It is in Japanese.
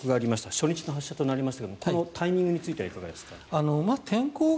初日と発射となりましたがこのタイミングについてはいかがですか。